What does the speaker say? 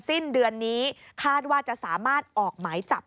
สิ้นเดือนนี้คาดว่าจะสามารถออกหมายจับ